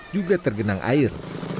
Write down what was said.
juga tergenang air